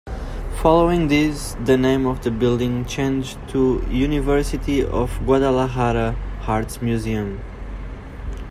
Following this, the name of the building changed to University of Guadalajara's Arts Museum.